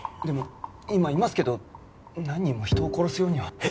でも今いますけど何人も人を殺すようには。